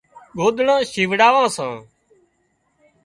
ڳوۮڙان شِوڙاوان سان